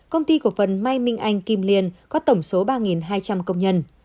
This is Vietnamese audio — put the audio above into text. công ty cổ phần may minh anh kim liên có tổng số ba hai trăm linh công nhân